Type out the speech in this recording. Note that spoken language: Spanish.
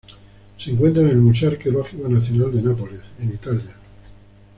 Se encuentra en el Museo Arqueológico Nacional de Nápoles, en Italia.